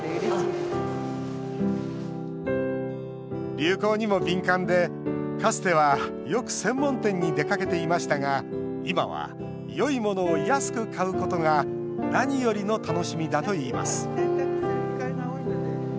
流行にも敏感で、かつてはよく専門店に出かけていましたが今は、よいものを安く買うことが何よりの楽しみだといいます